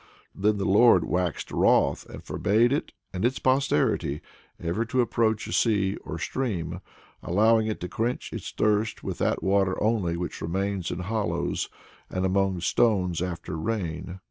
Then the Lord waxed wroth and forbade it and its posterity ever to approach a sea or stream, allowing it to quench its thirst with that water only which remains in hollows and among stones after rain.